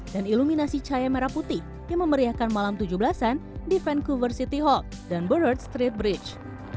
dan iluminasi cahaya merah putih yang memeriahkan malam tujuh belas an di vancouver city hall dan burrard street bridge